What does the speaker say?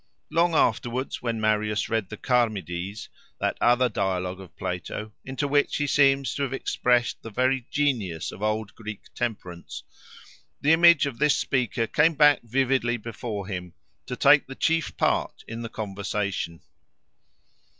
Long afterwards, when Marius read the Charmides—that other dialogue of Plato, into which he seems to have expressed the very genius of old Greek temperance—the image of this speaker came back vividly before him, to take the chief part in the conversation.